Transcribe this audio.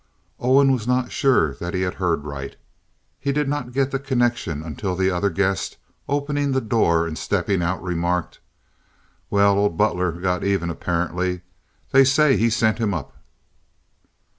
Owen was not sure that he had heard right. He did not get the connection until the other guest, opening the door and stepping out, remarked: "Well, old Butler got even, apparently. They say he sent him up."